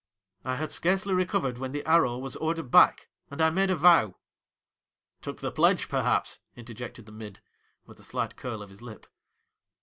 'I had scarcely recovered when the "Arrow" was ordered back, and I made a vow.' ' Took the pledge, perhaps !' interjected the mid, with a slight curl of his lip.